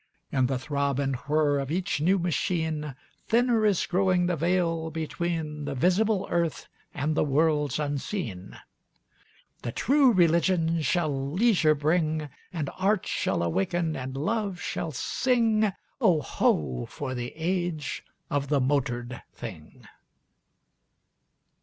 In the throb and whir of each new machine Thinner is growing the veil between The visible earth and the worlds unseen. The True Religion shall leisure bring; And Art shall awaken and Love shall sing: Oh, ho! for the age of the motored thing!